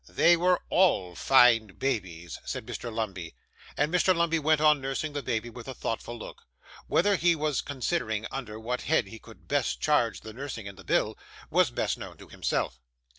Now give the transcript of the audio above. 'They were all fine babies,' said Mr. Lumbey. And Mr. Lumbey went on nursing the baby with a thoughtful look. Whether he was considering under what head he could best charge the nursing in the bill, was best known to himself.